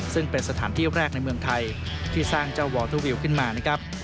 ซึ่งเป็นสถานที่แรกในเมืองไทยที่สร้างเจ้าวอเตอร์วิวขึ้นมานะครับ